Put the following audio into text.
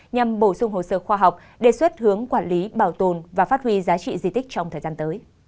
nhằm bổ sung hồ sơ khoa học đề xuất hướng quản lý bảo tồn và phát huy giá trị di tích trong thời gian tới